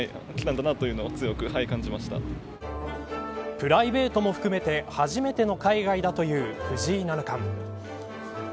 プライベートも含めて初めての海外だという藤井七冠。